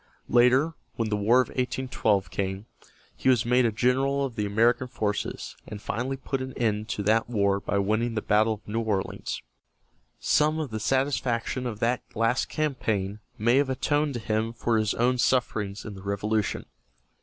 Later, when the War of 1812 came, he was made a general of the American forces, and finally put an end to that war by winning the battle of New Orleans. Some of the satisfaction of that last campaign may have atoned to him for his own sufferings in the Revolution.